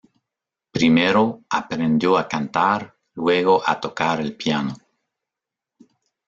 Primero, aprendió a cantar, luego a tocar el piano.